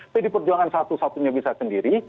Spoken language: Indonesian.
jadi perjuangan satu satunya bisa sendiri